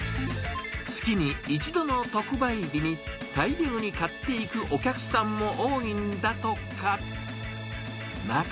月に１度の特売日に、大量に買っていくお客さんも多いんだとか。